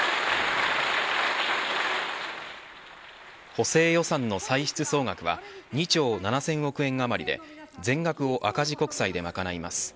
補正予算の歳出総額は２兆７０００億円あまりで全額を赤字国債で賄います。